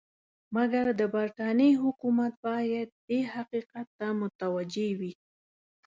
مګر د برټانیې حکومت باید دې حقیقت ته متوجه وي.